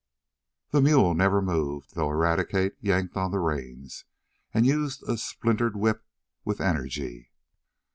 The mule never moved, though Eradicate yanked on the reins, and used a splintered whip with energy.